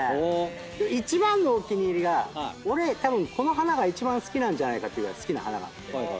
一番のお気に入りが俺たぶんこの花が一番好きなんじゃないかというぐらい好きな花があって。